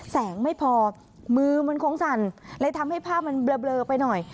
ไม่พอมือมันคงสั่นเลยทำให้ภาพมันเบลอไปหน่อย